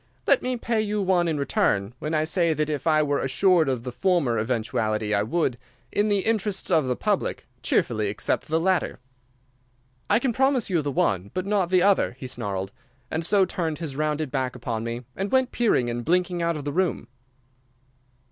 'Let me pay you one in return when I say that if I were assured of the former eventuality I would, in the interests of the public, cheerfully accept the latter.' "'I can promise you the one, but not the other,' he snarled, and so turned his rounded back upon me, and went peering and blinking out of the room.